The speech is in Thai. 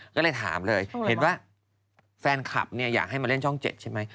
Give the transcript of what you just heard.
ก็เลยถามเลยเห็นว่าแฟนคลับอยากให้มาเล่นช่อง๗ใช่ไหม